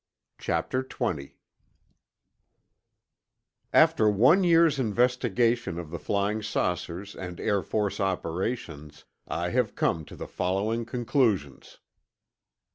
CHAPTER XX After one year's investigation of the flying saucers and Air Force operations, I have come to the following conclusions: 1.